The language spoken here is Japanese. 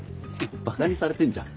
ばかにされてんじゃん。